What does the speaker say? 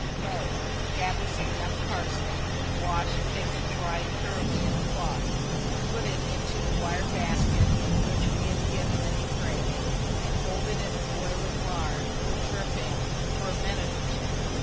Mode. Gather some young parsley; wash, pick, and dry it thoroughly in a cloth; put it into the wire basket of which we have given an engraving, and hold it in boiling lard or dripping for a minute or two.